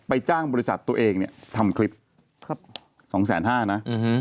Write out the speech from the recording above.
จ้างบริษัทตัวเองเนี่ยทำคลิป๒๕๐๐นะ